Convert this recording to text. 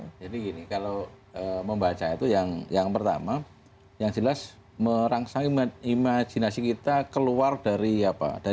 jadi gini kalau membaca itu yang pertama yang jelas merangsang imajinasi kita keluar dari kebiasaan